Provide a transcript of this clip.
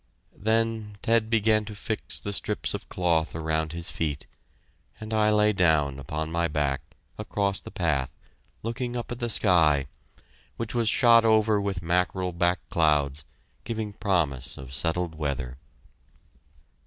Then Ted began to fix the strips of cloth around his feet, and I lay down upon my back, across the path, looking up at the sky, which was shot over with mackerel back clouds, giving promise of settled weather.